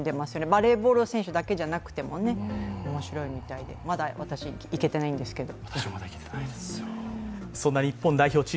バレーボールの選手だけじゃなくてね、面白いみたいで、まだ私、いけてないんですけど。